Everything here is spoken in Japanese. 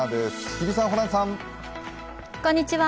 日比さん、ホランさん。